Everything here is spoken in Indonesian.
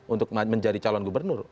untuk menjadi calon gubernur